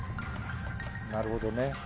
なるほどね。